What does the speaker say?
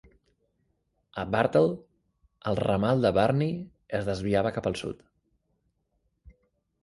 A Bartle, el ramal de Burney es desviava cap al sud.